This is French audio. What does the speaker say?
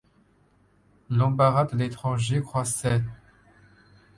L'embarras de l'étranger croissait.